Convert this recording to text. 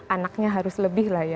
anaknya harus lebih lah ya